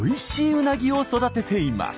うなぎを育てています。